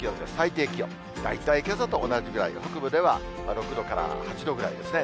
大体けさと同じくらい、北部では６度から８度ぐらいですね。